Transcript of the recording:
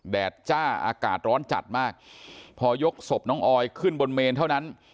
แดดจ้าอากาศร้อนจัดมากพอยกศพน้องออยขึ้นบนเมนเท่านั้น